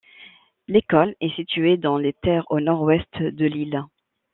L’école est située dans les terres au nord-ouest de l’île.